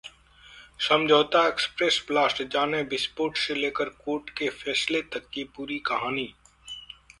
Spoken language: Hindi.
समझौता एक्सप्रेस ब्लास्ट: जानें विस्फोट से लेकर कोर्ट के फैसले तक की पूरी कहानी